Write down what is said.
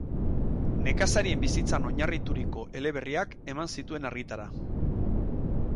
Nekazarien bizitzan oinarrituriko eleberriak eman zituen argitara.